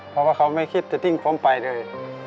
เพราะว่าเขาไม่คิดจะทิ้งผมไปเลย